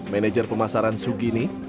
manager pemasaran sugini